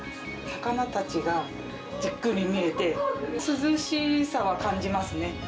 魚たちがじっくり見れて、涼しさは感じますね。